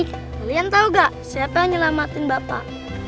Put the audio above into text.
kalian tahu gak siapa yang nyelamatin bapak